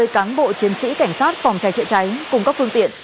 năm mươi cán bộ chiến sĩ cảnh sát phòng cháy trị cháy cùng các phương tiện